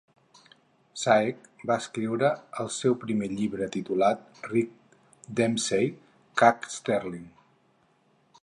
Schaech va escriure el seu primer llibre titulat "Rick Dempsey's Caught Stealing".